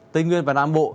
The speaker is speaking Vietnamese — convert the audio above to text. tây nguyên và nam bộ